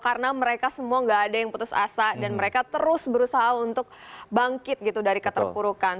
karena mereka semua nggak ada yang putus asa dan mereka terus berusaha untuk bangkit gitu dari keterpurukan